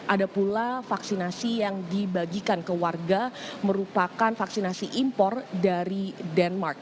ada pula vaksinasi yang dibagikan ke warga merupakan vaksinasi impor dari denmark